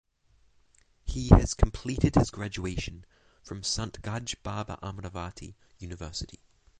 He has completed his graduation from Sant Gadge Baba Amravati University.